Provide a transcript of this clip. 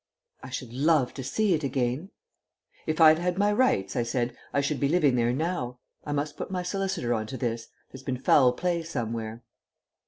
"I should love to see it again." "If I'd had my rights," I said, "I should be living there now. I must put my solicitor on to this. There's been foul play somewhere."